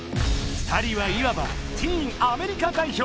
２人はいわばティーンアメリカ代表！